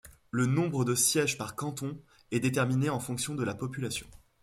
Le nombre de sièges par canton est déterminé en fonction de la population.